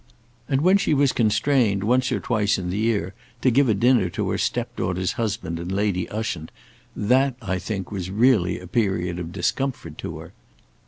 And when she was constrained once or twice in the year to give a dinner to her step daughter's husband and Lady Ushant, that, I think, was really a period of discomfort to her.